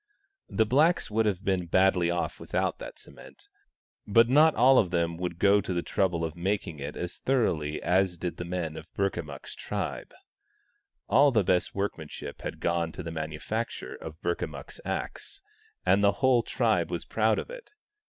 The blacks would have been badly off without that cement, but not all of them would go to the trouble of making it as thoroughly as did the men of Burkamukk's tribe. All the best workmanship had gone to the manufacture of Burkamukk's axe, and the whole tribe was proud of it.